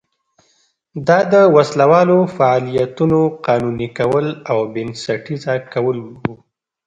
دا د وسله والو فعالیتونو قانوني کول او بنسټیزه کول و.